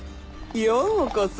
ようこそ